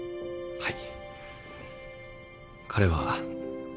はい。